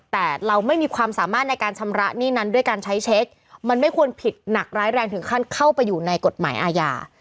แต่เราไม่มีความสามารถในการชำระหนี้นั้นด้วยการใช้เช็คมันไม่ควรผิดหนักร้ายแรงถึงขั้นเข้าไปอยู่ในกฎหมายอาญา